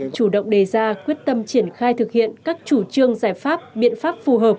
chủ động đề ra quyết tâm triển khai thực hiện các chủ trương giải pháp biện pháp phù hợp